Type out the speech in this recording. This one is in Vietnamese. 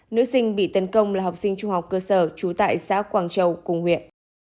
nữ sinh bị tấn công là học sinh trung học cơ sở trú tại xã quảng châu cùng huyện